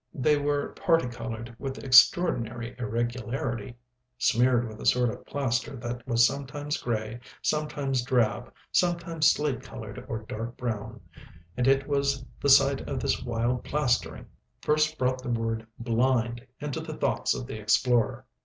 They were parti coloured with extraordinary irregularity, smeared with a sort of plaster that was sometimes grey, sometimes drab, sometimes slate coloured or dark brown; and it was the sight of this wild plastering first brought the word "blind" into the thoughts of the explorer.